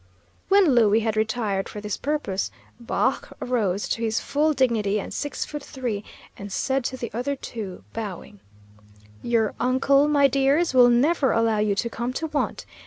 When Louie had retired for this purpose, Baugh arose to his full dignity and six foot three, and said to the other two, bowing, "Your uncle, my dears, will never allow you to come to want.